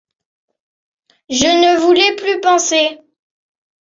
Je ne voulais plus penser.